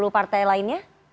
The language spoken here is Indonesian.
sepuluh partai lainnya